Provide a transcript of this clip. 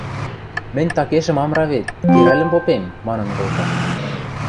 – Мӹнь такешӹм ам равед, керӓлӹм попем! – манын колта